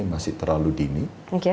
masih terlalu diperhatikan